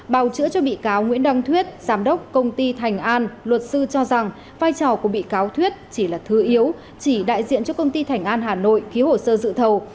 bào chữa cho bị cáo nguyễn đăng thuyết giám đốc công ty thành an luật sư cho rằng vai trò của bị cáo thuyết chỉ là thư yếu chỉ đại diện cho công ty thành an hà nội ký hồ sơ dự thầu